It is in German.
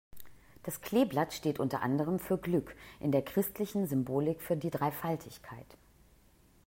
Das Kleeblatt steht unter anderem für Glück, in der christlichen Symbolik für die Dreifaltigkeit.